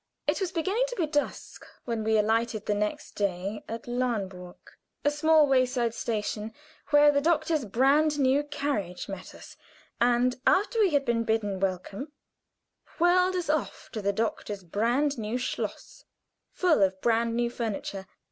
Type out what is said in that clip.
It was beginning to be dusk when we alighted the next day at Lahnburg, a small way side station, where the doctor's brand new carriage met us, and after we had been bidden welcome, whirled us off to the doctor's brand new schloss, full of brand new furniture.